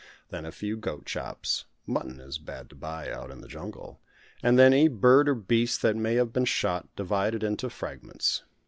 Then a few goat chops mutton is bad to buy out in the jungle and then any bird or beast that may have been shot, divided into fragments.